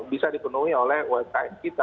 bisa dipenuhi oleh umkm kita